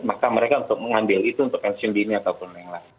maka mereka untuk mengambil itu untuk pensiun dini ataupun yang lain